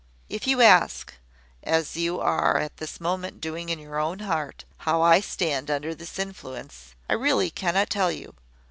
If you ask, as you are at this moment doing in your own heart, how I stand under this influence, I really cannot tell you.